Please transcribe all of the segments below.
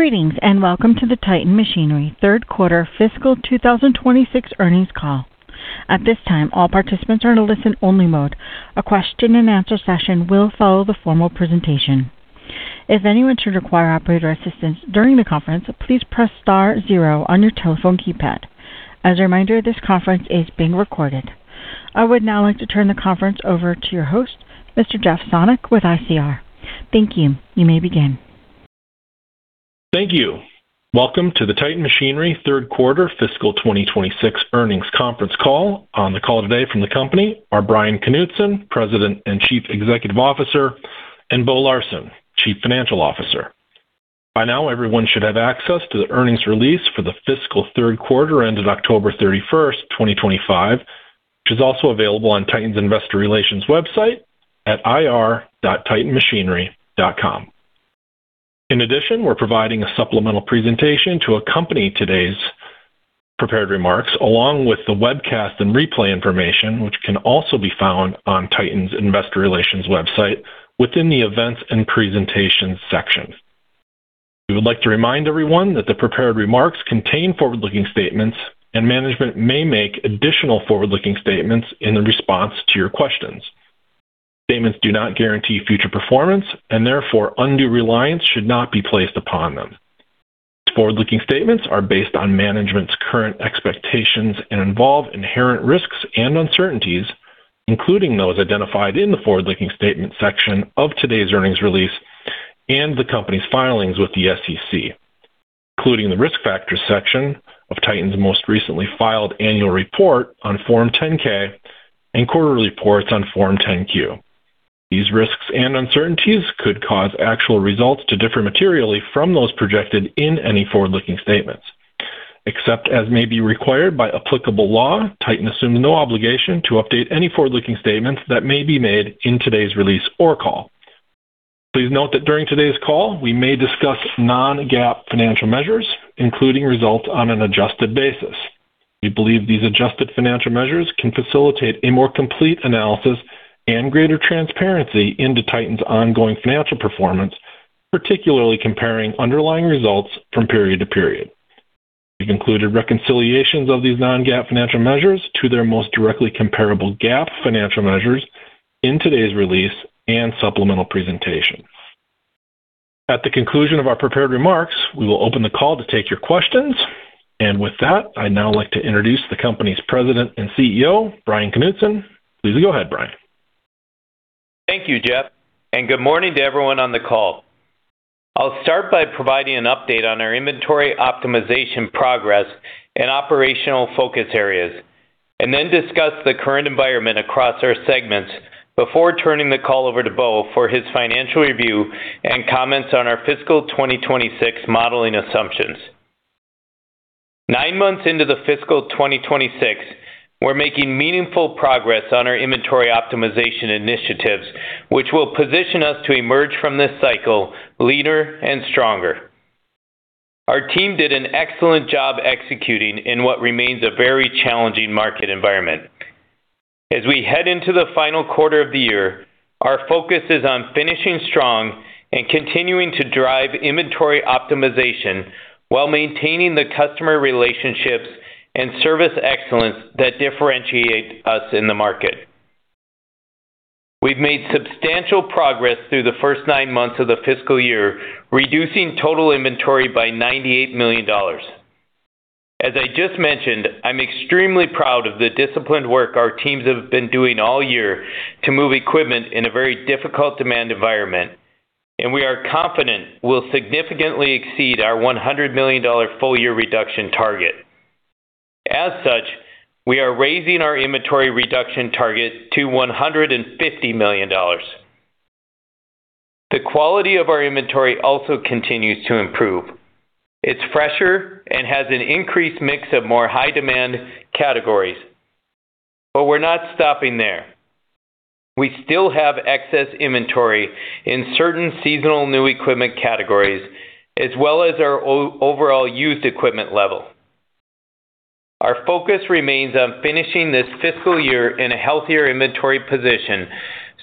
Greetings and welcome to the Titan Machinery Third Quarter Fiscal 2026 Earnings Call. At this time, all participants are in a listen-only mode. A question and answer session will follow the formal presentation. If anyone should require operator assistance during the conference, please press star zero on your telephone keypad. As a reminder, this conference is being recorded. I would now like to turn the conference over to your host, Mr. Jeff Sonnek, with ICR. Thank you. You may begin. Thank you. Welcome to the Titan Machinery Third Quarter Fiscal 2026 Earnings Conference Call. On the call today from the company are Bryan Knutson, President and Chief Executive Officer, and Bo Larsen, Chief Financial Officer. By now, everyone should have access to the earnings release for the fiscal third quarter ended October 31st, 2025, which is also available on Titan's Investor Relations website at ir.titanmachinery.com. In addition, we're providing a supplemental presentation to accompany today's prepared remarks, along with the webcast and replay information, which can also be found on Titan's Investor Relations website within the Events & Presentations section. We would like to remind everyone that the prepared remarks contain forward-looking statements, and management may make additional forward-looking statements in response to your questions. Statements do not guarantee future performance, and therefore, undue reliance should not be placed upon them. These forward-looking statements are based on management's current expectations and involve inherent risks and uncertainties, including those identified in the forward-looking statement section of today's earnings release and the company's filings with the SEC, including the risk factors section of Titan's most recently filed annual report on Form 10-K and quarterly reports on Form 10-Q. These risks and uncertainties could cause actual results to differ materially from those projected in any forward-looking statements. Except as may be required by applicable law, Titan assumes no obligation to update any forward-looking statements that may be made in today's release or call. Please note that during today's call, we may discuss non-GAAP financial measures, including results on an adjusted basis. We believe these adjusted financial measures can facilitate a more complete analysis and greater transparency into Titan's ongoing financial performance, particularly comparing underlying results from period to period. We've included reconciliations of these non-GAAP financial measures to their most directly comparable GAAP financial measures in today's release and supplemental presentation. At the conclusion of our prepared remarks, we will open the call to take your questions. With that, I'd now like to introduce the company's President and CEO, Bryan Knutson. Please go ahead, Bryan. Thank you, Jeff, and good morning to everyone on the call. I'll start by providing an update on our inventory optimization progress and operational focus areas, and then discuss the current environment across our segments before turning the call over to Bo for his financial review and comments on our fiscal 2026 modeling assumptions. Nine months into the fiscal 2026, we're making meaningful progress on our inventory optimization initiatives, which will position us to emerge from this cycle leaner and stronger. Our team did an excellent job executing in what remains a very challenging market environment. As we head into the final quarter of the year, our focus is on finishing strong and continuing to drive inventory optimization while maintaining the customer relationships and service excellence that differentiate us in the market. We've made substantial progress through the first nine months of the fiscal year, reducing total inventory by $98 million. As I just mentioned, I'm extremely proud of the disciplined work our teams have been doing all year to move equipment in a very difficult demand environment, and we are confident we'll significantly exceed our $100 million full-year reduction target. As such, we are raising our inventory reduction target to $150 million. The quality of our inventory also continues to improve. It's fresher and has an increased mix of more high-demand categories. We are not stopping there. We still have excess inventory in certain seasonal new equipment categories, as well as our overall used equipment level. Our focus remains on finishing this fiscal year in a healthier inventory position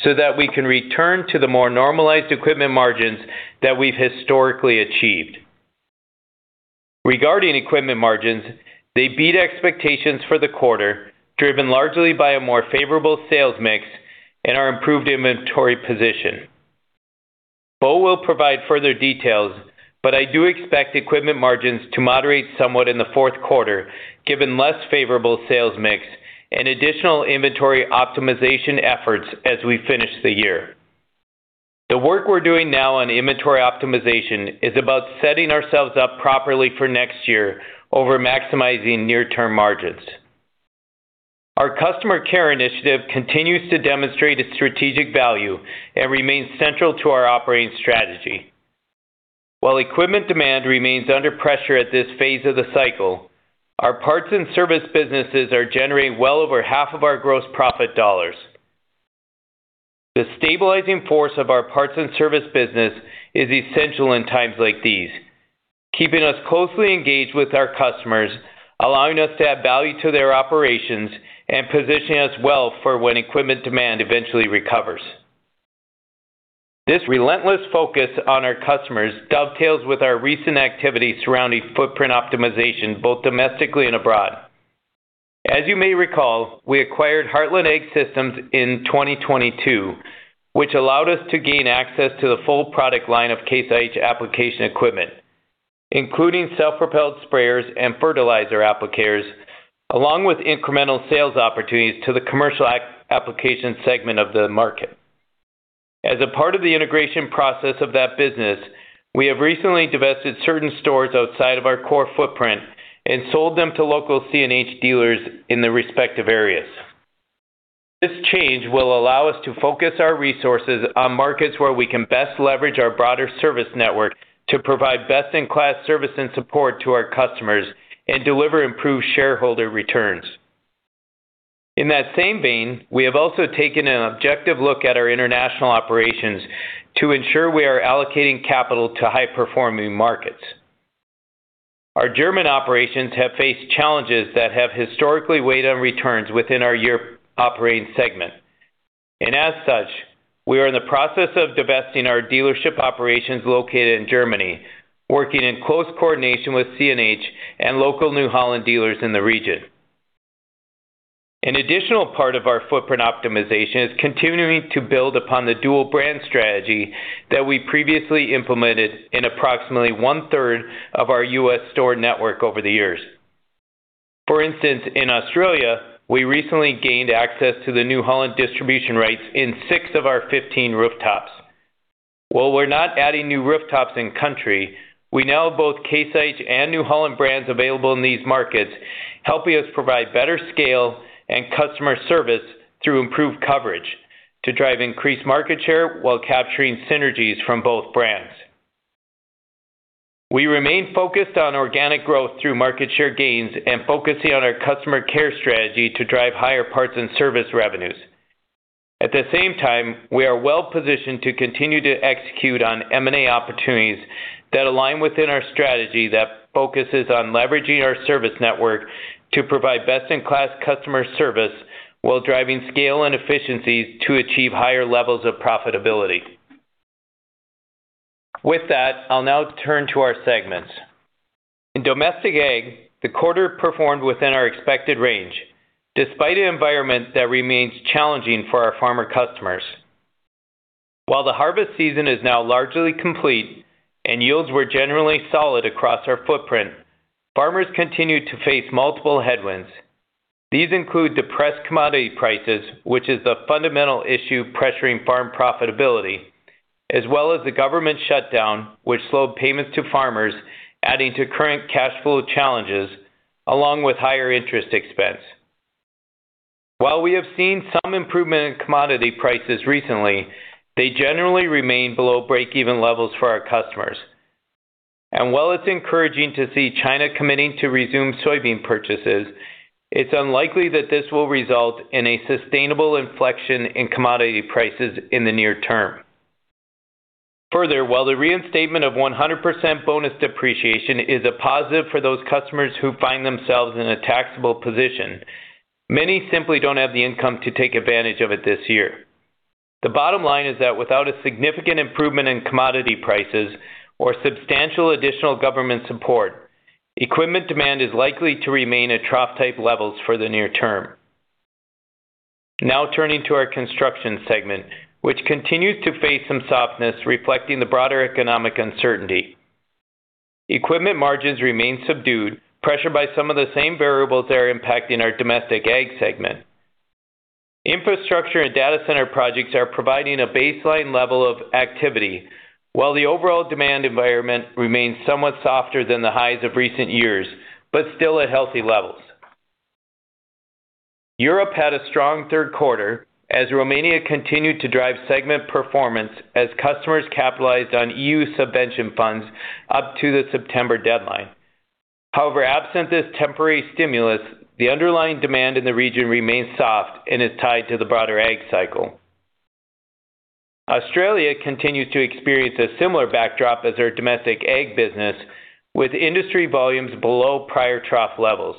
so that we can return to the more normalized equipment margins that we've historically achieved. Regarding equipment margins, they beat expectations for the quarter, driven largely by a more favorable sales mix and our improved inventory position. Bo will provide further details, but I do expect equipment margins to moderate somewhat in the fourth quarter, given less favorable sales mix and additional inventory optimization efforts as we finish the year. The work we're doing now on inventory optimization is about setting ourselves up properly for next year over maximizing near-term margins. Our customer care initiative continues to demonstrate its strategic value and remains central to our operating strategy. While equipment demand remains under pressure at this phase of the cycle, our parts and service businesses are generating well over half of our gross profit dollars. The stabilizing force of our parts and service business is essential in times like these, keeping us closely engaged with our customers, allowing us to add value to their operations, and positioning us well for when equipment demand eventually recovers. This relentless focus on our customers dovetails with our recent activity surrounding footprint optimization, both domestically and abroad. As you may recall, we acquired Heartland AG Systems in 2022, which allowed us to gain access to the full product line of Case IH application equipment, including self-propelled sprayers and fertilizer applicators, along with incremental sales opportunities to the commercial application segment of the market. As a part of the integration process of that business, we have recently divested certain stores outside of our core footprint and sold them to local CNH dealers in the respective areas. This change will allow us to focus our resources on markets where we can best leverage our broader service network to provide best-in-class service and support to our customers and deliver improved shareholder returns. In that same vein, we have also taken an objective look at our international operations to ensure we are allocating capital to high-performing markets. Our German operations have faced challenges that have historically weighed on returns within our Europe operating segment. As such, we are in the process of divesting our dealership operations located in Germany, working in close coordination with CNH and local New Holland dealers in the region. An additional part of our footprint optimization is continuing to build upon the dual-brand strategy that we previously implemented in approximately one-third of our U.S. store network over the years. For instance, in Australia, we recently gained access to the New Holland distribution rights in six of our 15 rooftops. While we're not adding new rooftops in-country, we now have both Case IH and New Holland brands available in these markets, helping us provide better scale and customer service through improved coverage to drive increased market share while capturing synergies from both brands. We remain focused on organic growth through market share gains and focusing on our customer care strategy to drive higher parts and service revenues. At the same time, we are well-positioned to continue to execute on M&A opportunities that align within our strategy that focuses on leveraging our service network to provide best-in-class customer service while driving scale and efficiencies to achieve higher levels of profitability. With that, I'll now turn to our segments. In domestic ag, the quarter performed within our expected range, despite an environment that remains challenging for our farmer customers. While the harvest season is now largely complete and yields were generally solid across our footprint, farmers continue to face multiple headwinds. These include depressed commodity prices, which is the fundamental issue pressuring farm profitability, as well as the government shutdown, which slowed payments to farmers, adding to current cash flow challenges, along with higher interest expense. While we have seen some improvement in commodity prices recently, they generally remain below break-even levels for our customers. While it is encouraging to see China committing to resume soybean purchases, it is unlikely that this will result in a sustainable inflection in commodity prices in the near term. Further, while the reinstatement of 100% bonus depreciation is a positive for those customers who find themselves in a taxable position, many simply do not have the income to take advantage of it this year. The bottom line is that without a significant improvement in commodity prices or substantial additional government support, equipment demand is likely to remain at trough-type levels for the near term. Now turning to our construction segment, which continues to face some softness reflecting the broader economic uncertainty. Equipment margins remain subdued, pressured by some of the same variables that are impacting our domestic ag segment. Infrastructure and data center projects are providing a baseline level of activity, while the overall demand environment remains somewhat softer than the highs of recent years, but still at healthy levels. Europe had a strong third quarter as Romania continued to drive segment performance as customers capitalized on EU subvention funds up to the September deadline. However, absent this temporary stimulus, the underlying demand in the region remains soft and is tied to the broader ag cycle. Australia continues to experience a similar backdrop as our domestic ag business, with industry volumes below prior trough levels.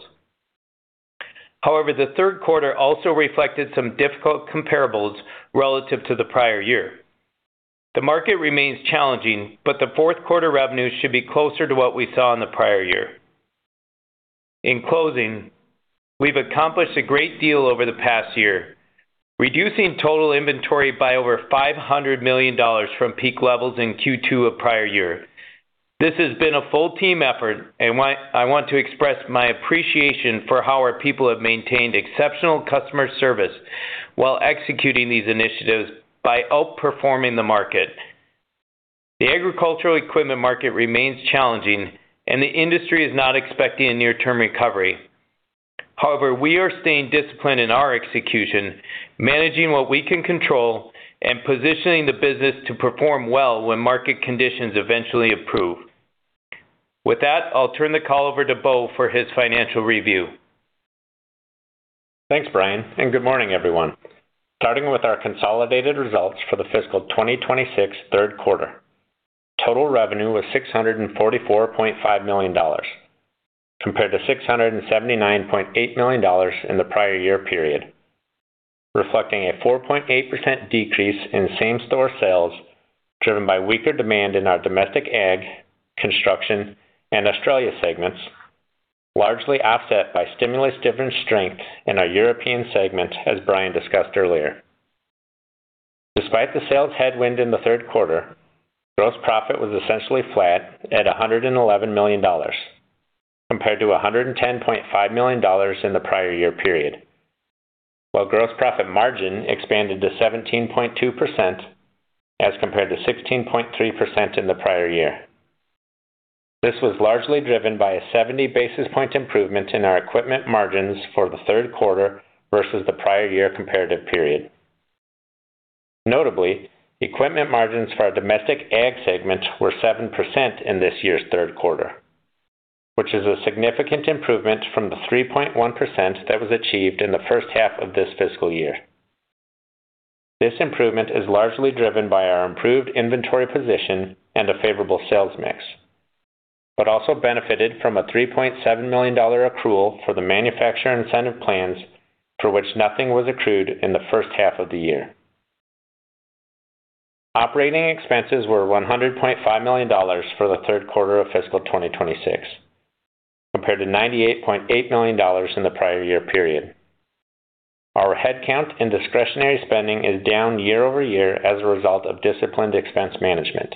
However, the third quarter also reflected some difficult comparables relative to the prior year. The market remains challenging, but the fourth quarter revenues should be closer to what we saw in the prior year. In closing, we've accomplished a great deal over the past year, reducing total inventory by over $500 million from peak levels in Q2 of prior year. This has been a full-team effort, and I want to express my appreciation for how our people have maintained exceptional customer service while executing these initiatives by outperforming the market. The agricultural equipment market remains challenging, and the industry is not expecting a near-term recovery. However, we are staying disciplined in our execution, managing what we can control, and positioning the business to perform well when market conditions eventually improve. With that, I'll turn the call over to Bo for his financial review. Thanks, Bryan, and good morning, everyone. Starting with our consolidated results for the fiscal 2026 third quarter, total revenue was $644.5 million, compared to $679.8 million in the prior year period, reflecting a 4.8% decrease in same-store sales driven by weaker demand in our domestic ag, construction, and Australia segments, largely offset by stimulus-driven strength in our European segment, as Bryan discussed earlier. Despite the sales headwind in the third quarter, gross profit was essentially flat at $111 million, compared to $110.5 million in the prior year period, while gross profit margin expanded to 17.2% as compared to 16.3% in the prior year. This was largely driven by a 70 basis point improvement in our equipment margins for the third quarter versus the prior year comparative period. Notably, equipment margins for our domestic ag segment were 7% in this year's third quarter, which is a significant improvement from the 3.1% that was achieved in the first half of this fiscal year. This improvement is largely driven by our improved inventory position and a favorable sales mix, but also benefited from a $3.7 million accrual for the manufacturer incentive plans, for which nothing was accrued in the first half of the year. Operating expenses were $100.5 million for the third quarter of fiscal 2026, compared to $98.8 million in the prior year period. Our headcount and discretionary spending is down YoY as a result of disciplined expense management.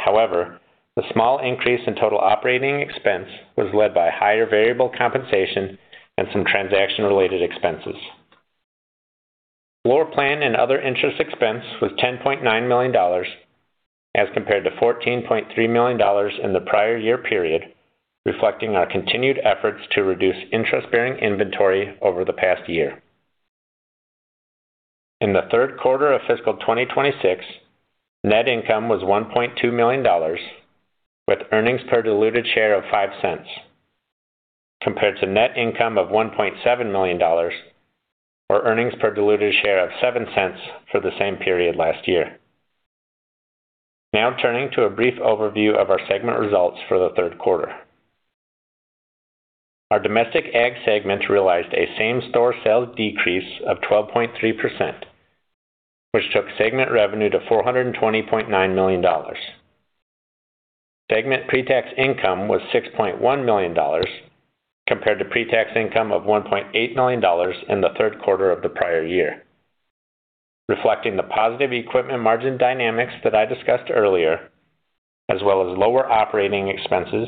However, the small increase in total operating expense was led by higher variable compensation and some transaction-related expenses. Floor plan and other interest expense was $10.9 million as compared to $14.3 million in the prior year period, reflecting our continued efforts to reduce interest-bearing inventory over the past year. In the third quarter of fiscal 2026, net income was $1.2 million, with earnings per diluted share of $0.05, compared to net income of $1.7 million, or earnings per diluted share of $0.07 for the same period last year. Now turning to a brief overview of our segment results for the third quarter. Our domestic ag segment realized a same-store sales decrease of 12.3%, which took segment revenue to $420.9 million. Segment pre-tax income was $6.1 million, compared to pre-tax income of $1.8 million in the third quarter of the prior year, reflecting the positive equipment margin dynamics that I discussed earlier, as well as lower operating expenses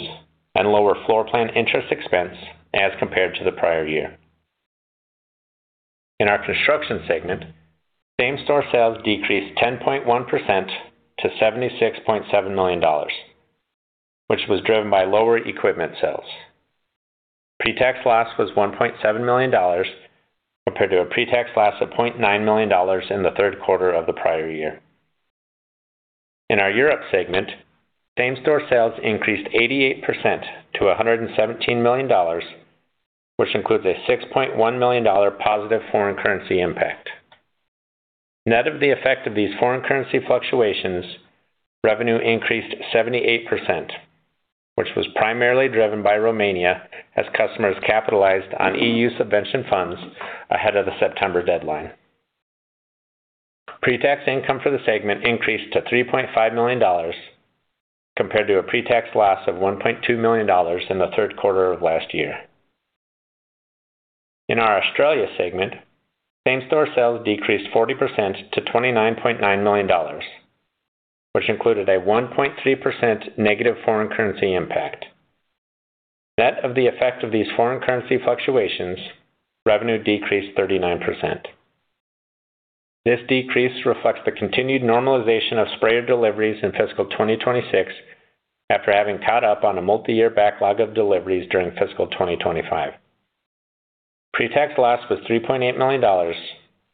and lower floor plan interest expense as compared to the prior year. In our construction segment, same-store sales decreased 10.1% to $76.7 million, which was driven by lower equipment sales. Pre-tax loss was $1.7 million, compared to a pre-tax loss of $0.9 million in the third quarter of the prior year. In our Europe segment, same-store sales increased 88% to $117 million, which includes a $6.1 million positive foreign currency impact. Net of the effect of these foreign currency fluctuations, revenue increased 78%, which was primarily driven by Romania as customers capitalized on EU subvention funds ahead of the September deadline. Pre-tax income for the segment increased to $3.5 million, compared to a pre-tax loss of $1.2 million in the third quarter of last year. In our Australia segment, same-store sales decreased 40% to $29.9 million, which included a -1.3% foreign currency impact. Net of the effect of these foreign currency fluctuations, revenue decreased 39%. This decrease reflects the continued normalization of sprayer deliveries in fiscal 2026 after having caught up on a multi-year backlog of deliveries during fiscal 2025. Pre-tax loss was $3.8 million,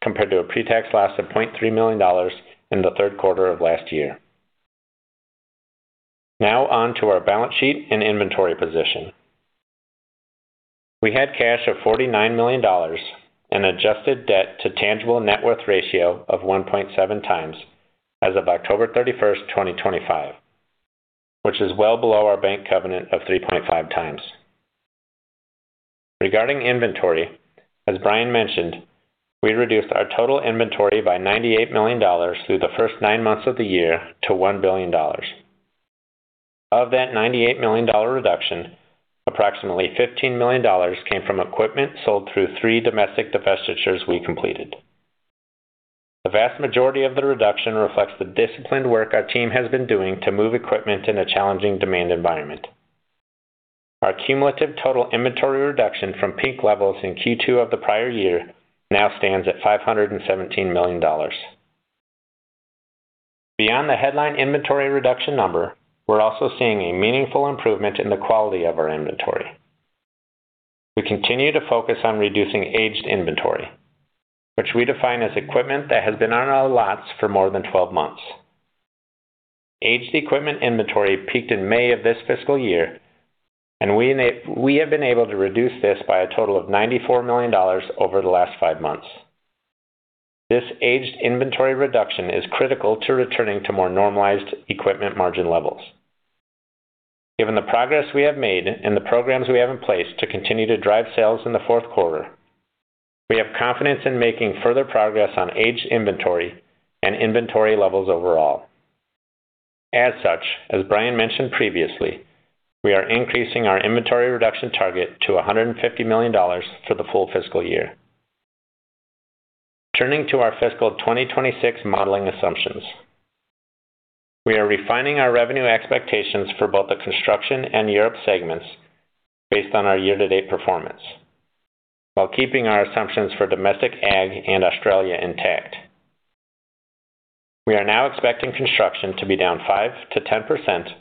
compared to a pre-tax loss of $0.3 million in the third quarter of last year. Now on to our balance sheet and inventory position. We had cash of $49 million and adjusted debt to tangible net worth ratio of 1.7 times as of October 31st, 2025, which is well below our bank covenant of 3.5 times. Regarding inventory, as Bryan mentioned, we reduced our total inventory by $98 million through the first nine months of the year to $1 billion. Of that $98 million reduction, approximately $15 million came from equipment sold through three domestic divestitures we completed. The vast majority of the reduction reflects the disciplined work our team has been doing to move equipment in a challenging demand environment. Our cumulative total inventory reduction from peak levels in Q2 of the prior year now stands at $517 million. Beyond the headline inventory reduction number, we're also seeing a meaningful improvement in the quality of our inventory. We continue to focus on reducing aged inventory, which we define as equipment that has been on our lots for more than 12 months. Aged equipment inventory peaked in May of this fiscal year, and we have been able to reduce this by a total of $94 million over the last five months. This aged inventory reduction is critical to returning to more normalized equipment margin levels. Given the progress we have made and the programs we have in place to continue to drive sales in the fourth quarter, we have confidence in making further progress on aged inventory and inventory levels overall. As such, as Bryan mentioned previously, we are increasing our inventory reduction target to $150 million for the full fiscal year. Turning to our fiscal 2026 modeling assumptions, we are refining our revenue expectations for both the construction and Europe segments based on our year-to-date performance, while keeping our assumptions for domestic ag and Australia intact. We are now expecting construction to be down 5%-10%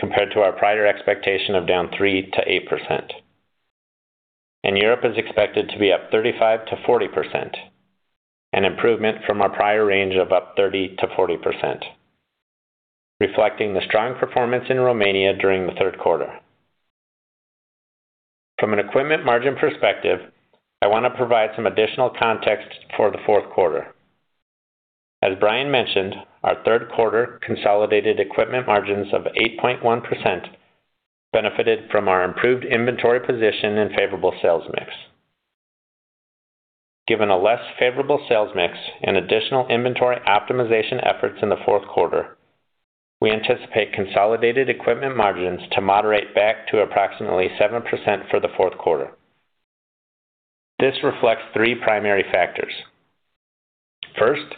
compared to our prior expectation of down 3%-8%. Europe is expected to be up 35%-40%, an improvement from our prior range of up 30%-40%, reflecting the strong performance in Romania during the third quarter. From an equipment margin perspective, I want to provide some additional context for the fourth quarter. As Bryan mentioned, our third quarter consolidated equipment margins of 8.1% benefited from our improved inventory position and favorable sales mix. Given a less favorable sales mix and additional inventory optimization efforts in the fourth quarter, we anticipate consolidated equipment margins to moderate back to approximately 7% for the fourth quarter. This reflects three primary factors. First,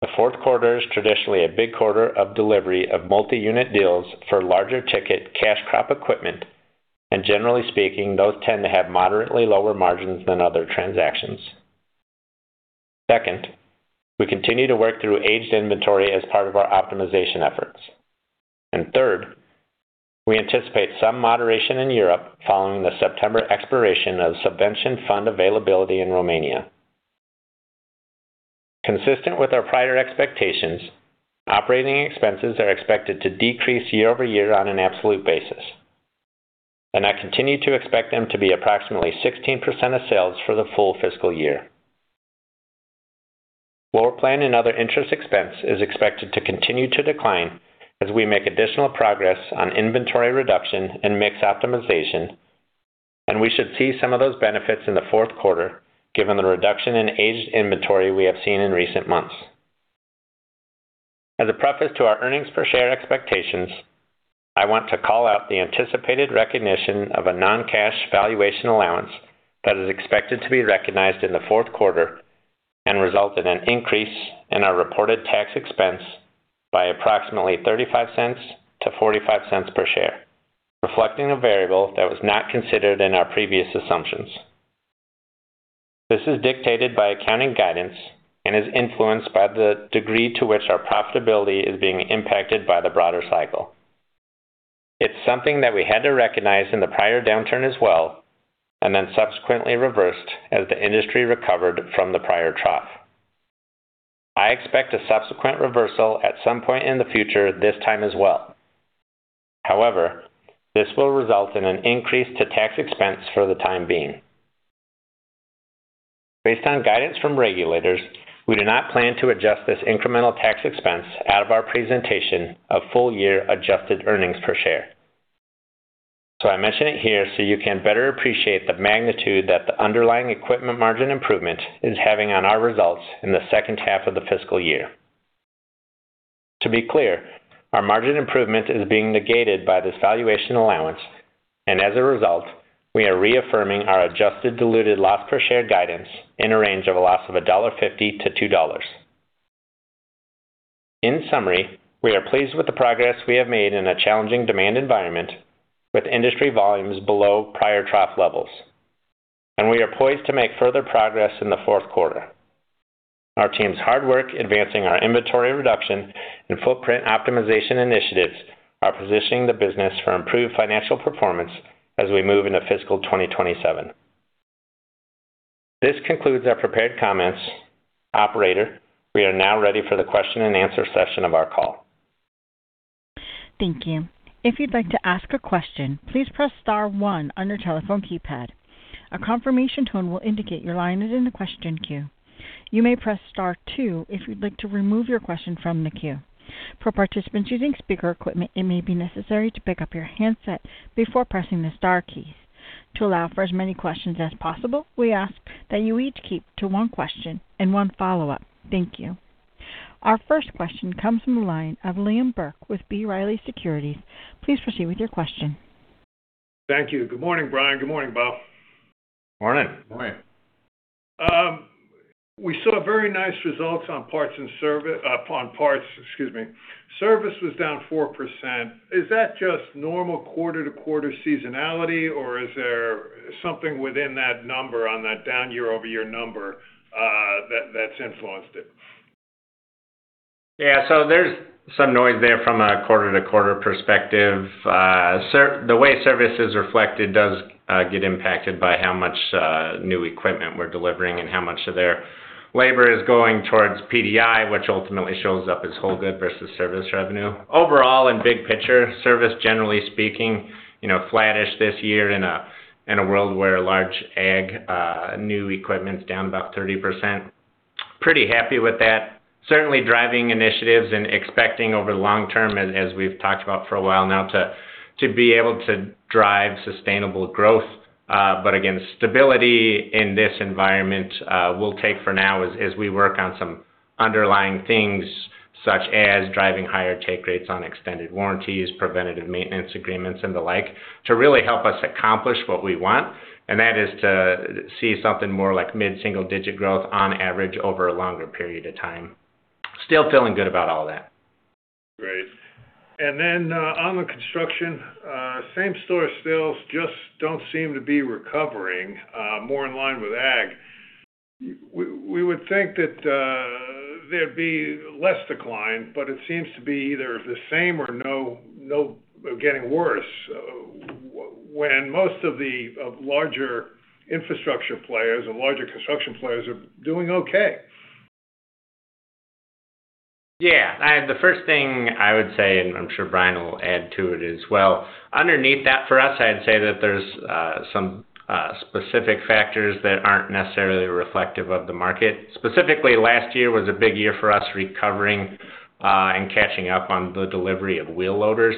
the fourth quarter is traditionally a big quarter of delivery of multi-unit deals for larger ticket cash crop equipment, and generally speaking, those tend to have moderately lower margins than other transactions. Second, we continue to work through aged inventory as part of our optimization efforts. Third, we anticipate some moderation in Europe following the September expiration of subvention fund availability in Romania. Consistent with our prior expectations, operating expenses are expected to decrease YoY on an absolute basis, and I continue to expect them to be approximately 16% of sales for the full fiscal year. Floor plan and other interest expense is expected to continue to decline as we make additional progress on inventory reduction and mix optimization, and we should see some of those benefits in the fourth quarter given the reduction in aged inventory we have seen in recent months. As a preface to our earnings per share expectations, I want to call out the anticipated recognition of a non-cash valuation allowance that is expected to be recognized in the fourth quarter and result in an increase in our reported tax expense by approximately $0.35-$0.45 per share, reflecting a variable that was not considered in our previous assumptions. This is dictated by accounting guidance and is influenced by the degree to which our profitability is being impacted by the broader cycle. It's something that we had to recognize in the prior downturn as well and then subsequently reversed as the industry recovered from the prior trough. I expect a subsequent reversal at some point in the future this time as well. However, this will result in an increase to tax expense for the time being. Based on guidance from regulators, we do not plan to adjust this incremental tax expense out of our presentation of full-year adjusted earnings per share. I mention it here so you can better appreciate the magnitude that the underlying equipment margin improvement is having on our results in the second half of the fiscal year. To be clear, our margin improvement is being negated by this valuation allowance, and as a result, we are reaffirming our adjusted diluted loss per share guidance in a range of a loss of $1.50-$2. In summary, we are pleased with the progress we have made in a challenging demand environment with industry volumes below prior trough levels, and we are poised to make further progress in the fourth quarter. Our team's hard work advancing our inventory reduction and footprint optimization initiatives are positioning the business for improved financial performance as we move into fiscal 2027. This concludes our prepared comments. Operator, we are now ready for the question and answer session of our call. Thank you. If you'd like to ask a question, please press star one on your telephone keypad. A confirmation tone will indicate you're lined up in the question queue. You may press star two if you'd like to remove your question from the queue. For participants using speaker equipment, it may be necessary to pick up your handset before pressing the star keys. To allow for as many questions as possible, we ask that you each keep to one question and one follow-up. Thank you. Our first question comes from the line of Liam Burke with B. Riley Securities. Please proceed with your question. Thank you. Good morning, Bryan. Good morning, Bo. Morning. Morning. We saw very nice results on parts and service. Upon parts—excuse me—service was down 4%. Is that just normal QoQ seasonality, or is there something within that number on that down YoY number that's influenced it? Yeah. There's some noise there from a QoQ perspective. The way service is reflected does get impacted by how much new equipment we're delivering and how much of their labor is going towards PDI, which ultimately shows up as whole good versus service revenue. Overall, in big picture, service generally speaking, flat-ish this year in a world where large ag new equipment's down about 30%. Pretty happy with that. Certainly driving initiatives and expecting over the long term, as we've talked about for a while now, to be able to drive sustainable growth. Again, stability in this environment will take for now as we work on some underlying things such as driving higher take rates on extended warranties, preventative maintenance agreements, and the like to really help us accomplish what we want. That is to see something more like mid-single digit growth on average over a longer period of time. Still feeling good about all that. Great. On the construction, same-store sales just do not seem to be recovering more in line with ag. We would think that there would be less decline, but it seems to be either the same or getting worse when most of the larger infrastructure players and larger construction players are doing okay. Yeah. The first thing I would say, and I'm sure Bryan will add to it as well, underneath that for us, I'd say that there's some specific factors that aren't necessarily reflective of the market. Specifically, last year was a big year for us recovering and catching up on the delivery of wheel loaders.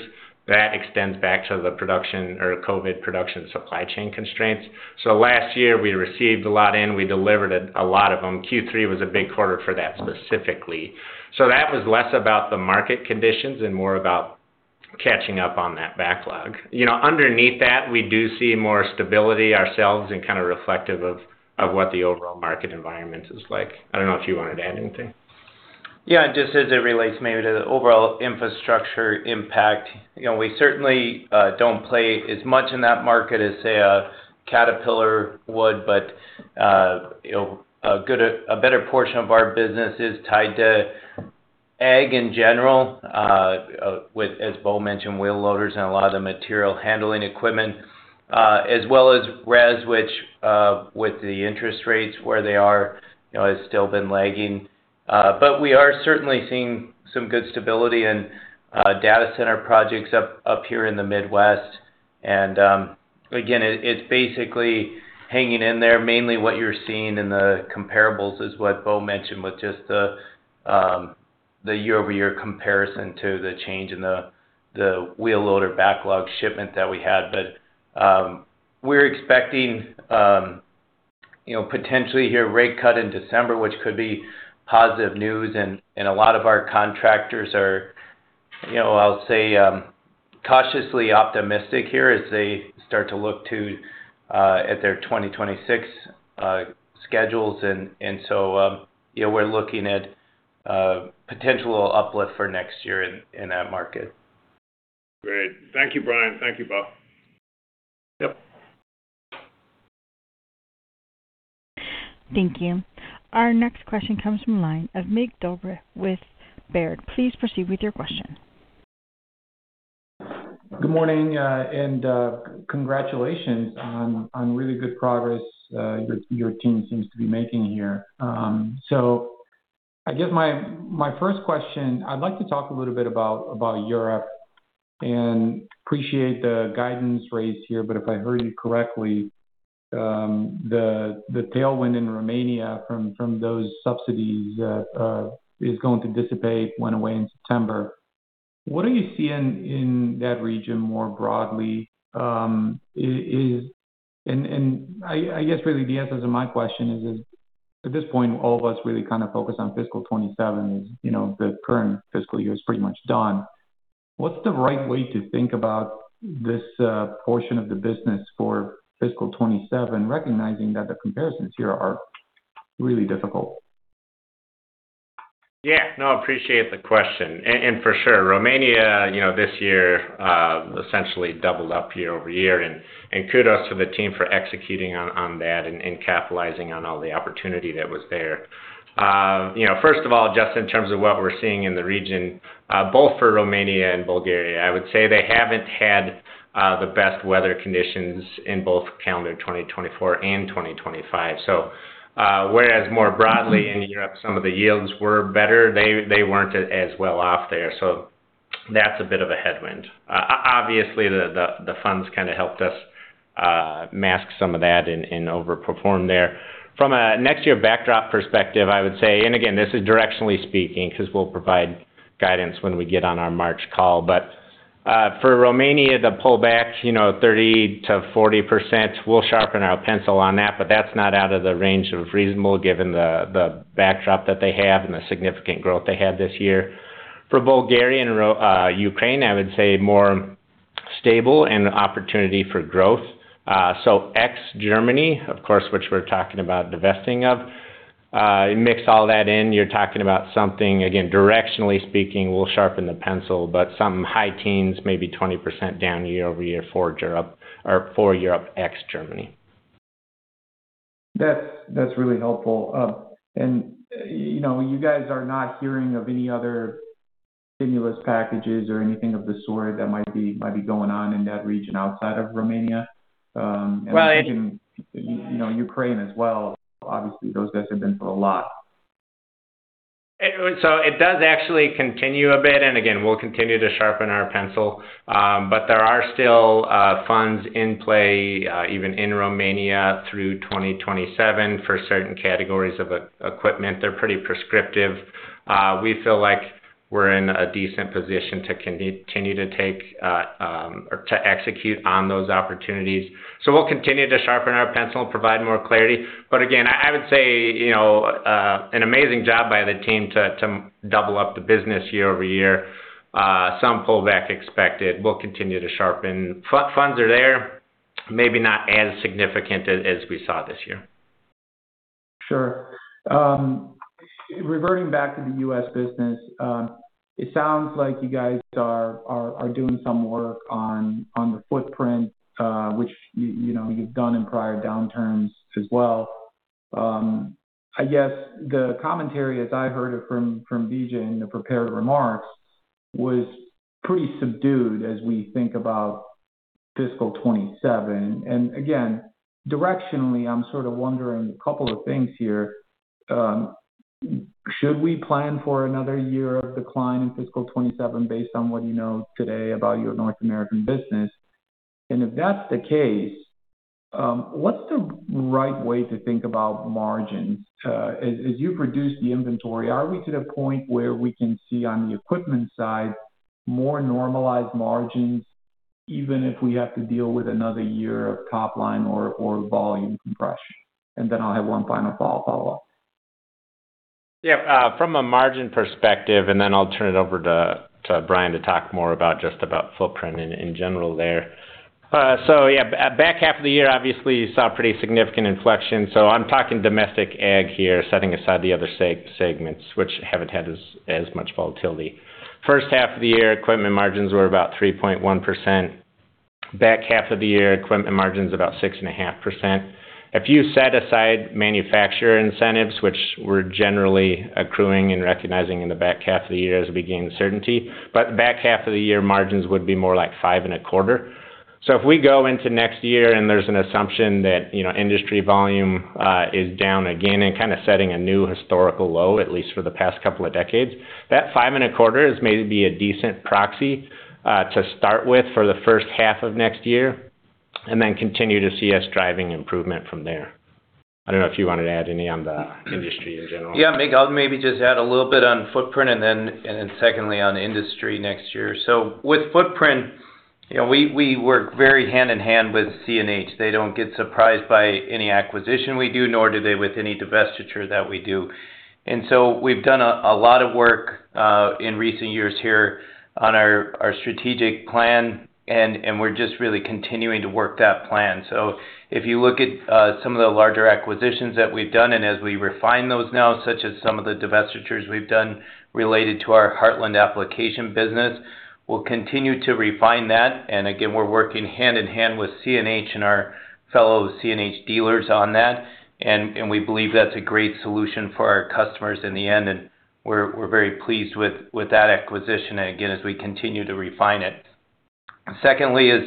That extends back to the production or COVID production supply chain constraints. Last year, we received a lot in. We delivered a lot of them. Q3 was a big quarter for that specifically. That was less about the market conditions and more about catching up on that backlog. Underneath that, we do see more stability ourselves and kind of reflective of what the overall market environment is like. I don't know if you wanted to add anything. Yeah. Just as it relates maybe to the overall infrastructure impact, we certainly don't play as much in that market as, say, a Caterpillar would, but a better portion of our business is tied to ag in general, as Bo mentioned, wheel loaders and a lot of the material handling equipment, as well as REZ, which with the interest rates where they are has still been lagging. We are certainly seeing some good stability in data center projects up here in the Midwest. Again, it's basically hanging in there. Mainly what you're seeing in the comparables is what Bo mentioned with just the YoY comparison to the change in the wheel loader backlog shipment that we had. We are expecting potentially here a rate cut in December, which could be positive news. A lot of our contractors are, I'll say, cautiously optimistic here as they start to look at their 2026 schedules. We are looking at potential uplift for next year in that market. Great. Thank you, Bryan. Thank you, Bo. Yep. Thank you. Our next question comes from the line of Mig Dobre with Baird. Please proceed with your question. Good morning and congratulations on really good progress your team seems to be making here. I guess my first question, I'd like to talk a little bit about Europe and appreciate the guidance raised here. If I heard you correctly, the tailwind in Romania from those subsidies is going to dissipate, went away in September. What are you seeing in that region more broadly? I guess really the answer to my question is, at this point, all of us really kind of focus on fiscal 2027 as the current fiscal year is pretty much done. What's the right way to think about this portion of the business for fiscal 2027, recognizing that the comparisons here are really difficult? Yeah. No, I appreciate the question. For sure, Romania this year essentially doubled up YoY. Kudos to the team for executing on that and capitalizing on all the opportunity that was there. First of all, just in terms of what we're seeing in the region, both for Romania and Bulgaria, I would say they have not had the best weather conditions in both calendar 2024 and 2025. Whereas more broadly in Europe, some of the yields were better, they were not as well off there. That is a bit of a headwind. Obviously, the funds kind of helped us mask some of that and overperform there. From a next year backdrop perspective, I would say, and again, this is directionally speaking because we will provide guidance when we get on our March call. For Romania, the pullback, 30%-40%, we will sharpen our pencil on that, but that is not out of the range of reasonable given the backdrop that they have and the significant growth they had this year. For Bulgaria and Ukraine, I would say more stable and opportunity for growth. Ex-Germany, of course, which we are talking about divesting of, mix all that in, you are talking about something, again, directionally speaking, we will sharpen the pencil, but something high teens, maybe 20% down YoY for Europe ex-Germany. That is really helpful. You guys are not hearing of any other stimulus packages or anything of the sort that might be going on in that region outside of Romania and even Ukraine as well. Obviously, those guys have been through a lot. It does actually continue a bit. Again, we'll continue to sharpen our pencil. There are still funds in play, even in Romania through 2027 for certain categories of equipment. They're pretty prescriptive. We feel like we're in a decent position to continue to take or to execute on those opportunities. We'll continue to sharpen our pencil, provide more clarity. Again, I would say an amazing job by the team to double up the business YoY. Some pullback expected. We'll continue to sharpen. Funds are there, maybe not as significant as we saw this year. Sure. Reverting back to the U.S. business, it sounds like you guys are doing some work on the footprint, which you've done in prior downturns as well. I guess the commentary, as I heard it from BJ in the prepared remarks, was pretty subdued as we think about fiscal 2027. I am sort of wondering a couple of things here. Should we plan for another year of decline in fiscal 2027 based on what you know today about your North American business? If that's the case, what's the right way to think about margins? As you've reduced the inventory, are we to the point where we can see on the equipment side more normalized margins, even if we have to deal with another year of top line or volume compression? I will have one final follow-up. Yeah. From a margin perspective, and then I'll turn it over to Bryan to talk more about just about footprint in general there. Yeah, back half of the year, obviously, you saw pretty significant inflection. I'm talking domestic ag here, setting aside the other segments, which haven't had as much volatility. First half of the year, equipment margins were about 3.1%. Back half of the year, equipment margins about 6.5%. If you set aside manufacturer incentives, which we're generally accruing and recognizing in the back half of the year as we gain certainty, back half of the year, margins would be more like five and a quarter. If we go into next year and there is an assumption that industry volume is down again and kind of setting a new historical low, at least for the past couple of decades, that five and a quarter is maybe a decent proxy to start with for the first half of next year and then continue to see us driving improvement from there. I do not know if you wanted to add any on the industry in general. Yeah. Maybe just add a little bit on footprint and then secondly on industry next year. With footprint, we work very hand in hand with CNH. They do not get surprised by any acquisition we do, nor do they with any divestiture that we do. We have done a lot of work in recent years here on our strategic plan, and we are just really continuing to work that plan. If you look at some of the larger acquisitions that we've done and as we refine those now, such as some of the divestitures we've done related to our Heartland application business, we'll continue to refine that. Again, we're working hand in hand with CNH and our fellow CNH dealers on that. We believe that's a great solution for our customers in the end. We're very pleased with that acquisition, again, as we continue to refine it. Secondly is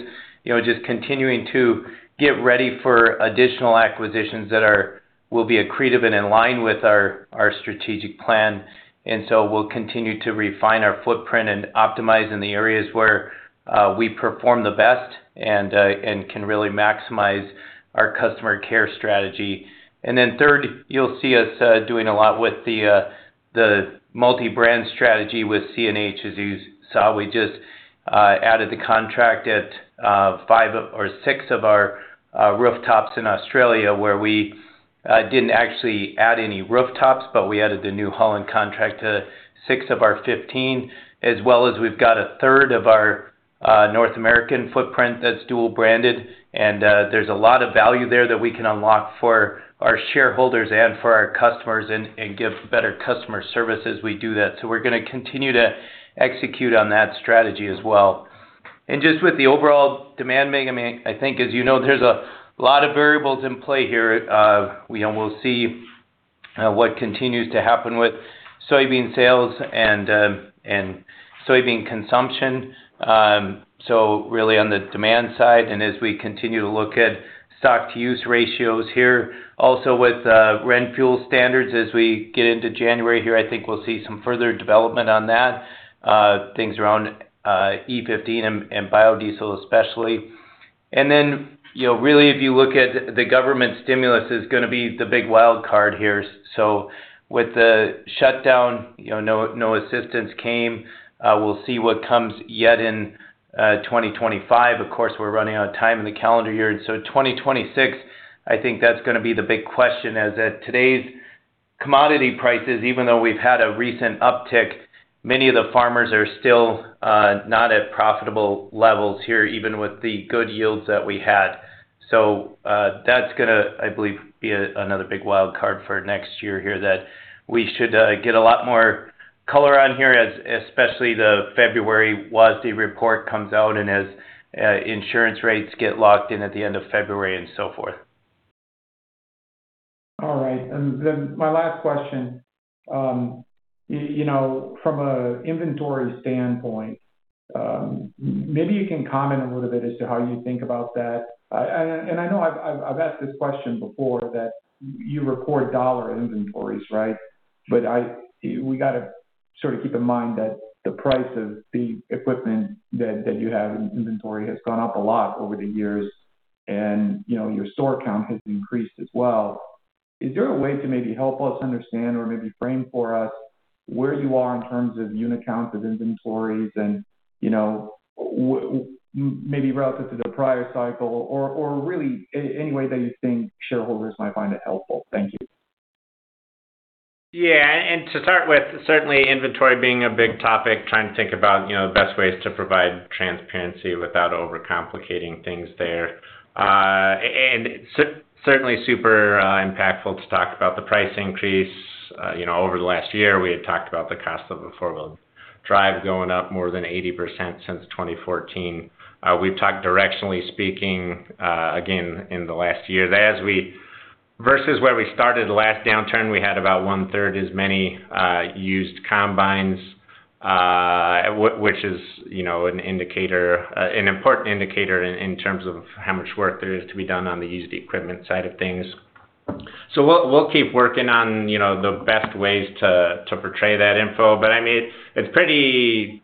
just continuing to get ready for additional acquisitions that will be accretive and in line with our strategic plan. We'll continue to refine our footprint and optimize in the areas where we perform the best and can really maximize our customer care strategy. Then third, you'll see us doing a lot with the multi-brand strategy with CNH, as you saw. We just added the contract at five or six of our rooftops in Australia, where we did not actually add any rooftops, but we added the New Holland contract to six of our 15, as well as we have got a third of our North American footprint that is dual-branded. There is a lot of value there that we can unlock for our shareholders and for our customers and give better customer service as we do that. We are going to continue to execute on that strategy as well. Just with the overall demand making, I mean, I think, as you know, there is a lot of variables in play here. We will see what continues to happen with soybean sales and soybean consumption. Really on the demand side. As we continue to look at stock-to-use ratios here, also with the renfuel standards as we get into January here, I think we'll see some further development on that, things around E15 and biodiesel especially. Really, if you look at the government stimulus, it's going to be the big wild card here. With the shutdown, no assistance came. We'll see what comes yet in 2025. Of course, we're running out of time in the calendar year. 2026, I think that's going to be the big question as today's commodity prices, even though we've had a recent uptick, many of the farmers are still not at profitable levels here, even with the good yields that we had. That is going to, I believe, be another big wild card for next year here that we should get a lot more color on here, especially when the February WASDE report comes out and as insurance rates get locked in at the end of February and so forth. All right. My last question, from an inventory standpoint, maybe you can comment a little bit as to how you think about that. I know I have asked this question before that you record dollar inventories, right? We have to sort of keep in mind that the price of the equipment that you have in inventory has gone up a lot over the years, and your store count has increased as well. Is there a way to maybe help us understand or maybe frame for us where you are in terms of unit counts of inventories and maybe relative to the prior cycle or really any way that you think shareholders might find it helpful? Thank you. Yeah. To start with, certainly inventory being a big topic, trying to think about the best ways to provide transparency without overcomplicating things there. Certainly super impactful to talk about the price increase over the last year. We had talked about the cost of a four-wheel drive going up more than 80% since 2014. We've talked directionally speaking, again, in the last year versus where we started the last downturn. We had about one-third as many used combines, which is an important indicator in terms of how much work there is to be done on the used equipment side of things. We'll keep working on the best ways to portray that info. I mean, it's pretty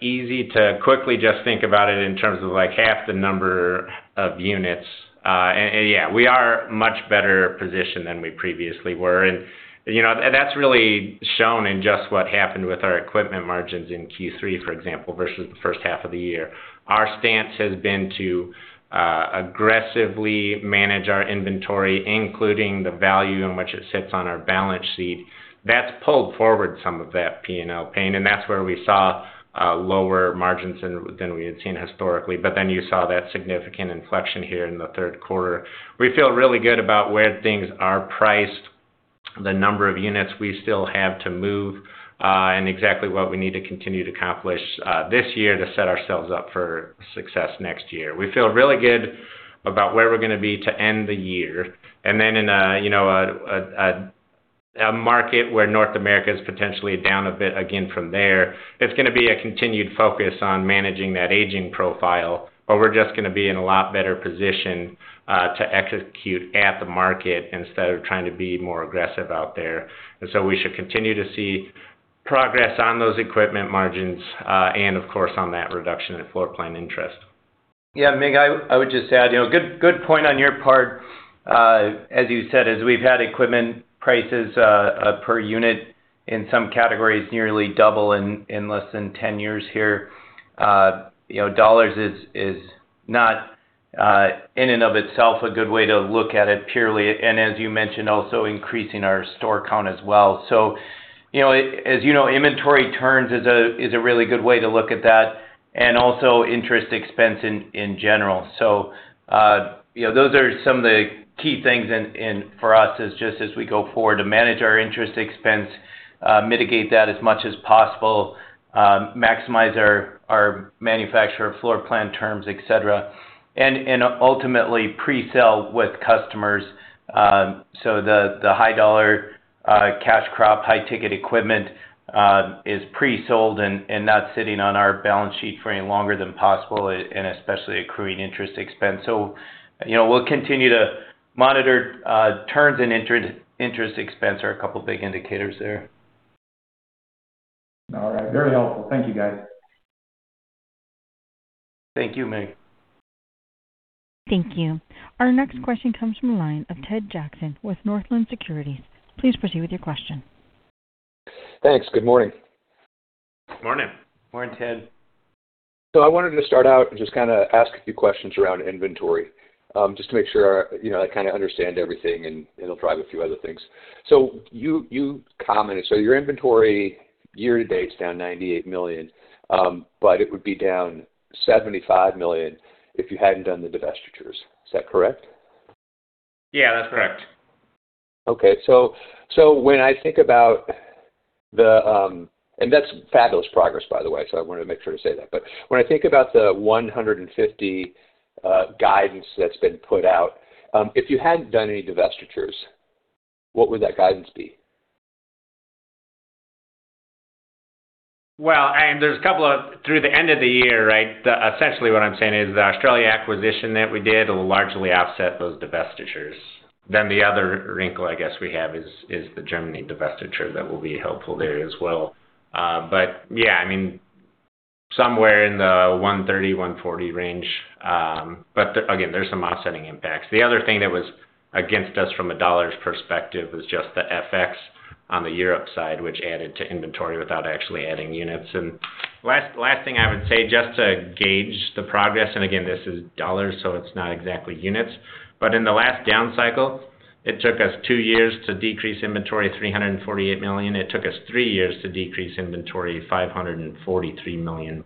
easy to quickly just think about it in terms of half the number of units. Yeah, we are much better positioned than we previously were. That's really shown in just what happened with our equipment margins in Q3, for example, versus the first half of the year. Our stance has been to aggressively manage our inventory, including the value in which it sits on our balance sheet. That's pulled forward some of that P&L pain. That's where we saw lower margins than we had seen historically. Then you saw that significant inflection here in the third quarter. We feel really good about where things are priced, the number of units we still have to move, and exactly what we need to continue to accomplish this year to set ourselves up for success next year. We feel really good about where we're going to be to end the year. In a market where North America is potentially down a bit again from there, it's going to be a continued focus on managing that aging profile, or we're just going to be in a lot better position to execute at the market instead of trying to be more aggressive out there. We should continue to see progress on those equipment margins and, of course, on that reduction in floor plan interest. Yeah. Mig, I would just add a good point on your part. As you said, as we've had equipment prices per unit in some categories nearly double in less than 10 years here, dollars is not in and of itself a good way to look at it purely. As you mentioned, also increasing our store count as well. As you know, inventory turns is a really good way to look at that and also interest expense in general. Those are some of the key things for us is just as we go forward to manage our interest expense, mitigate that as much as possible, maximize our manufacturer floor plan terms, etc., and ultimately pre-sell with customers. The high-dollar cash crop, high-ticket equipment is pre-sold and not sitting on our balance sheet for any longer than possible, and especially accruing interest expense. We'll continue to monitor turns and interest expense are a couple of big indicators there. All right. Very helpful. Thank you, guys. Thank you, Mig. Thank you. Our next question comes from the line of Ted Jackson with Northland Securities. Please proceed with your question. Thanks. Good morning. Good morning. Morning, Ted. I wanted to start out and just kind of ask a few questions around inventory just to make sure I kind of understand everything, and it will drive a few other things. You commented, your inventory year-to-date is down $98 million, but it would be down $75 million if you had not done the divestitures. Is that correct? Yeah, that is correct. Okay. When I think about the—and that is fabulous progress, by the way, so I wanted to make sure to say that. When I think about the $150 million guidance that has been put out, if you had not done any divestitures, what would that guidance be? I mean, there is a couple of—through the end of the year, right? Essentially, what I'm saying is the Australia acquisition that we did will largely offset those divestitures. The other wrinkle, I guess, we have is the Germany divestiture that will be helpful there as well. Yeah, I mean, somewhere in the $130 million-$140 million range. Again, there are some offsetting impacts. The other thing that was against us from a dollars perspective was just the FX on the Europe side, which added to inventory without actually adding units. Last thing I would say just to gauge the progress—and again, this is dollars, so it is not exactly units—but in the last down cycle, it took us two years to decrease inventory $348 million. It took us three years to decrease inventory $543 million.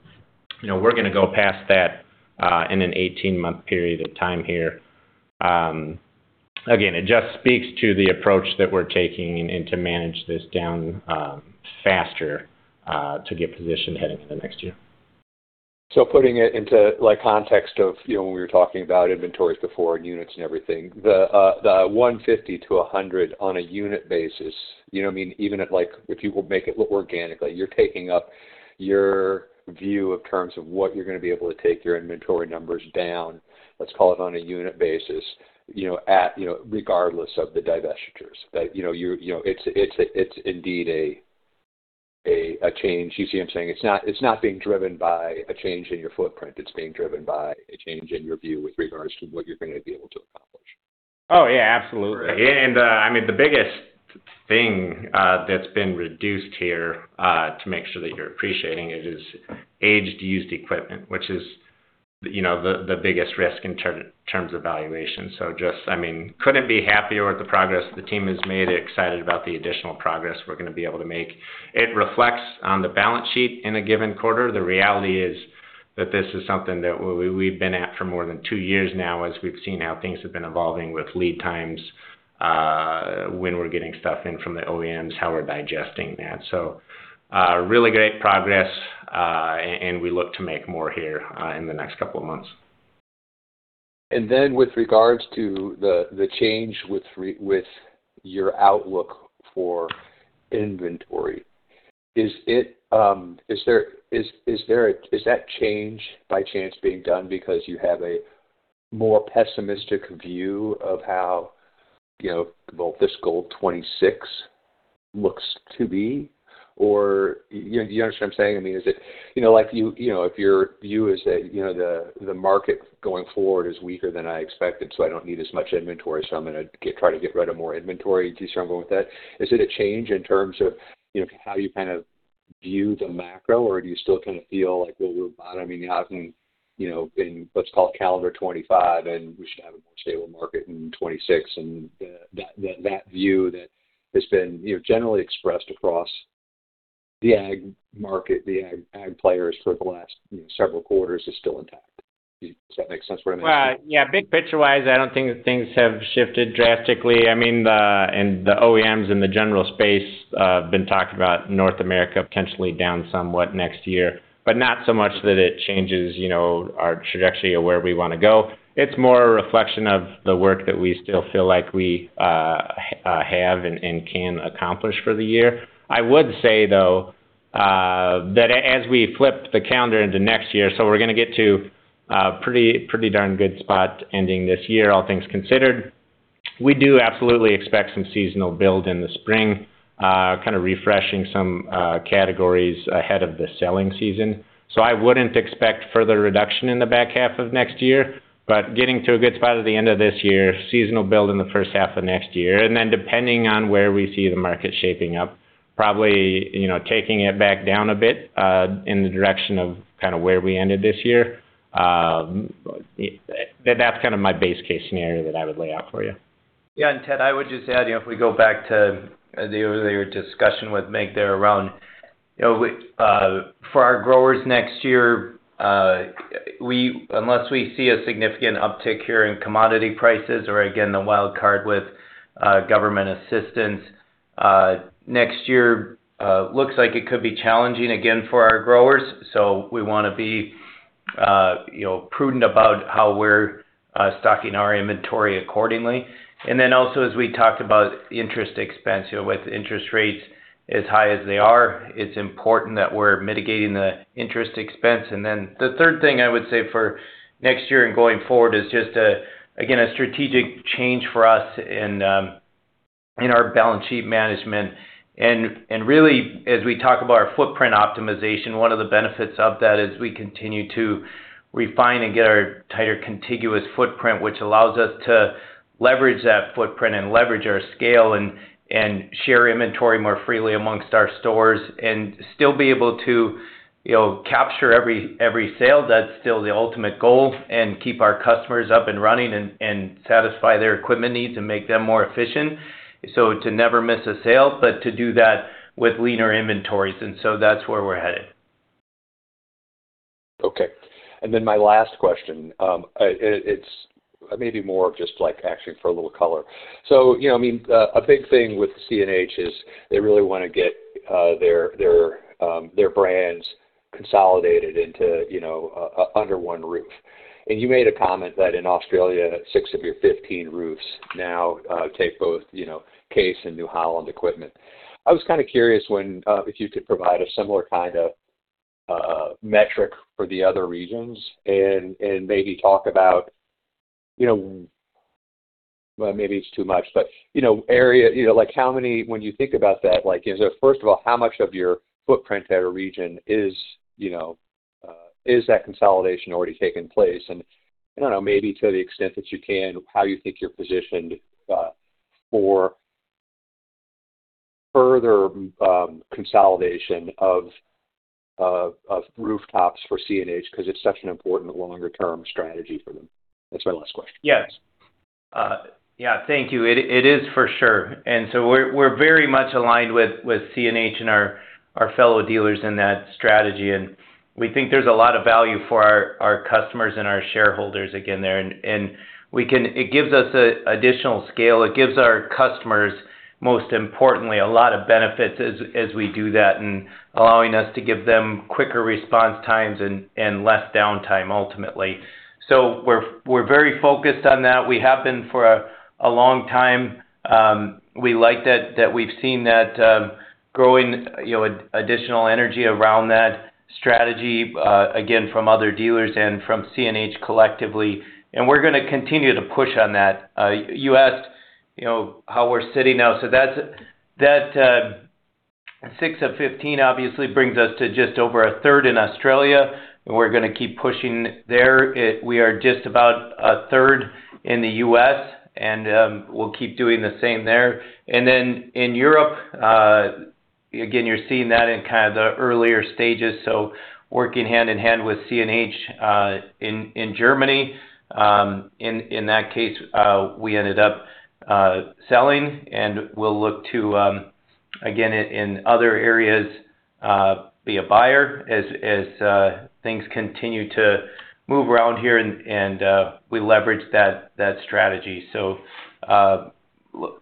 We are going to go past that in an 18-month period of time here. It just speaks to the approach that we're taking to manage this down faster to get positioned heading into next year. Putting it into context of when we were talking about inventories before and units and everything, the 150 to 100 on a unit basis, you know what I mean? Even if you make it look organically, you're taking up your view of terms of what you're going to be able to take your inventory numbers down, let's call it on a unit basis, regardless of the divestitures. It's indeed a change. You see what I'm saying? It's not being driven by a change in your footprint. It's being driven by a change in your view with regards to what you're going to be able to accomplish. Oh, yeah, absolutely. I mean, the biggest thing that's been reduced here to make sure that you're appreciating it is aged used equipment, which is the biggest risk in terms of valuation. I mean, couldn't be happier with the progress the team has made. Excited about the additional progress we're going to be able to make. It reflects on the balance sheet in a given quarter. The reality is that this is something that we've been at for more than two years now as we've seen how things have been evolving with lead times, when we're getting stuff in from the OEMs, how we're digesting that. Really great progress, and we look to make more here in the next couple of months. With regards to the change with your outlook for inventory, is that change by chance being done because you have a more pessimistic view of how both fiscal 2026 looks to be? Do you understand what I'm saying? I mean, is it like if your view is that the market going forward is weaker than I expected, so I do not need as much inventory, so I am going to try to get rid of more inventory? Do you see what I am going with that? Is it a change in terms of how you kind of view the macro, or do you still kind of feel like, we are bottoming out in, let's call it, calendar 2025, and we should have a more stable market in 2026? That view that has been generally expressed across the ag market, the ag players for the last several quarters is still intact. Does that make sense what I'm asking? Yeah. Big picture-wise, I don't think things have shifted drastically. I mean, the OEMs in the general space have been talking about North America potentially down somewhat next year, but not so much that it changes our trajectory of where we want to go. It's more a reflection of the work that we still feel like we have and can accomplish for the year. I would say, though, that as we flip the calendar into next year, we're going to get to a pretty darn good spot ending this year, all things considered. We do absolutely expect some seasonal build in the spring, kind of refreshing some categories ahead of the selling season. I would not expect further reduction in the back half of next year, but getting to a good spot at the end of this year, seasonal build in the first half of next year. Then depending on where we see the market shaping up, probably taking it back down a bit in the direction of kind of where we ended this year. That is kind of my base case scenario that I would lay out for you. Yeah. Ted, I would just add, if we go back to the earlier discussion with Mig there around for our growers next year, unless we see a significant uptick here in commodity prices or, again, the wild card with government assistance, next year looks like it could be challenging again for our growers. We want to be prudent about how we are stocking our inventory accordingly. As we talked about interest expense, with interest rates as high as they are, it's important that we're mitigating the interest expense. The third thing I would say for next year and going forward is just, again, a strategic change for us in our balance sheet management. Really, as we talk about our footprint optimization, one of the benefits of that is we continue to refine and get our tighter contiguous footprint, which allows us to leverage that footprint and leverage our scale and share inventory more freely amongst our stores and still be able to capture every sale. That's still the ultimate goal and keep our customers up and running and satisfy their equipment needs and make them more efficient. To never miss a sale, but to do that with leaner inventories. That's where we're headed. Okay. My last question, it's maybe more of just asking for a little color. I mean, a big thing with CNH is they really want to get their brands consolidated under one roof. You made a comment that in Australia, six of your fifteen roofs now take both Case and New Holland equipment. I was kind of curious if you could provide a similar kind of metric for the other regions and maybe talk about, maybe it's too much, but area, when you think about that, first of all, how much of your footprint at a region, is that consolidation already taken place? I don't know, maybe to the extent that you can, how you think you're positioned for further consolidation of rooftops for CNH because it's such an important longer-term strategy for them. That's my last question. Yes. Yeah. Thank you. It is for sure. We are very much aligned with CNH and our fellow dealers in that strategy. We think there is a lot of value for our customers and our shareholders again there. It gives us additional scale. It gives our customers, most importantly, a lot of benefits as we do that, allowing us to give them quicker response times and less downtime, ultimately. We are very focused on that. We have been for a long time. We like that we have seen that growing additional energy around that strategy again from other dealers and from CNH collectively. We are going to continue to push on that. You asked how we are sitting now. That six of 15 obviously brings us to just over a third in Australia. We are going to keep pushing there. We are just about a third in the U.S., and we'll keep doing the same there. In Europe, again, you're seeing that in kind of the earlier stages. Working hand in hand with CNH in Germany. In that case, we ended up selling, and we'll look to, again, in other areas, be a buyer as things continue to move around here, and we leverage that strategy.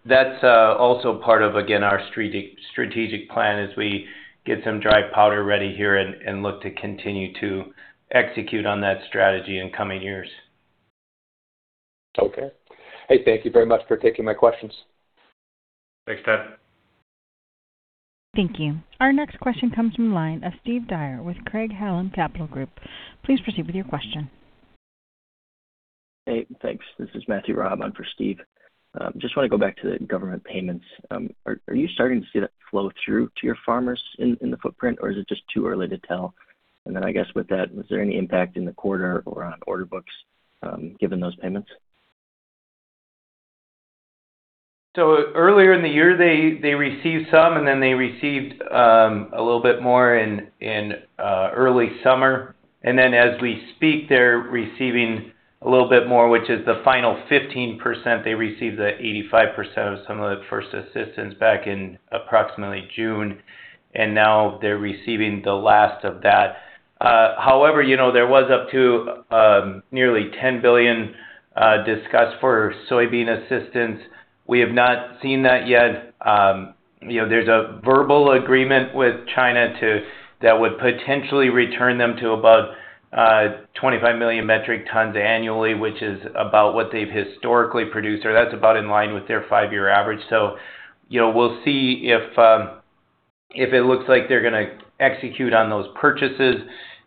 That's also part of, again, our strategic plan as we get some dry powder ready here and look to continue to execute on that strategy in coming years. Okay. Hey, thank you very much for taking my questions. Thanks, Ted. Thank you. Our next question comes from the line of Steve Dyer with Craig-Hallum Capital Group. Please proceed with your question. Hey, thanks. This is Matthew Raab. I'm for Steve. Just want to go back to the government payments. Are you starting to see that flow through to your farmers in the footprint, or is it just too early to tell? I guess with that, was there any impact in the quarter or on order books given those payments? Earlier in the year, they received some, and then they received a little bit more in early summer. As we speak, they're receiving a little bit more, which is the final 15%. They received the 85% of some of the first assistance back in approximately June, and now they're receiving the last of that. However, there was up to nearly $10 billion discussed for soybean assistance. We have not seen that yet. There's a verbal agreement with China that would potentially return them to about 25 million metric tons annually, which is about what they've historically produced, or that's about in line with their five-year average. We'll see if it looks like they're going to execute on those purchases,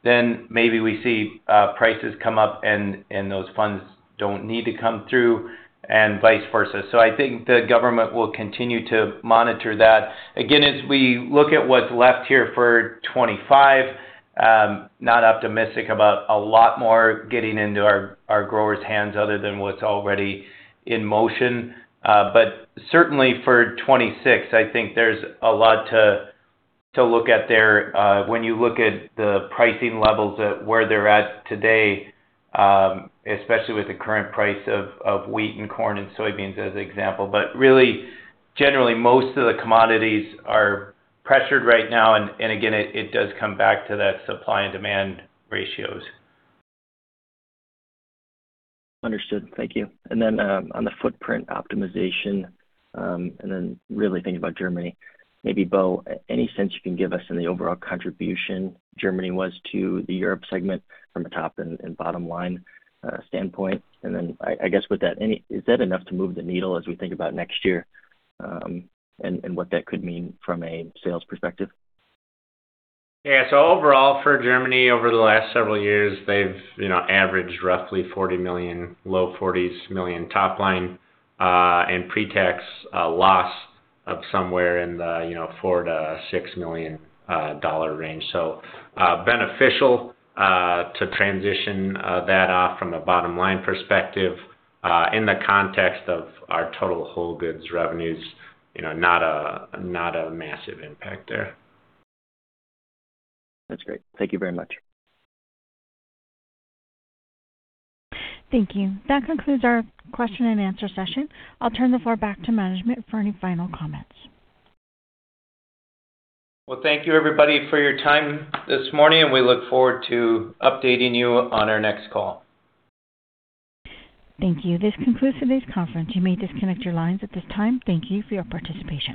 then maybe we see prices come up and those funds don't need to come through and vice versa. I think the government will continue to monitor that. Again, as we look at what's left here for 2025, not optimistic about a lot more getting into our growers' hands other than what's already in motion. Certainly for 2026, I think there's a lot to look at there when you look at the pricing levels at where they're at today, especially with the current price of wheat and corn and soybeans as an example. Really, generally, most of the commodities are pressured right now. Again, it does come back to that supply and demand ratios. Understood. Thank you. On the footprint optimization, really thinking about Germany, maybe, Bo, any sense you can give us in the overall contribution Germany was to the Europe segment from a top and bottom line standpoint? I guess with that, is that enough to move the needle as we think about next year and what that could mean from a sales perspective? Yeah. Overall, for Germany, over the last several years, they have averaged roughly $40 million, low $40 million top line, and pre-tax loss of somewhere in the $4 million-$6 million range. Beneficial to transition that off from a bottom line perspective. In the context of our total whole goods revenues, not a massive impact there. That's great. Thank you very much. Thank you. That concludes our question and answer session. I'll turn the floor back to management for any final comments. Thank you, everybody, for your time this morning, and we look forward to updating you on our next call. Thank you. This concludes today's conference. You may disconnect your lines at this time. Thank you for your participation.